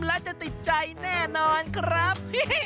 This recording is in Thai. แล้วจะติดใจแน่นอนครับ